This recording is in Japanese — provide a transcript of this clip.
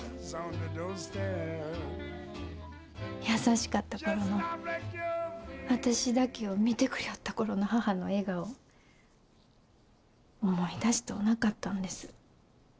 優しかった頃の私だけを見てくりょおった頃の母の笑顔を思い出しとうなかったんです。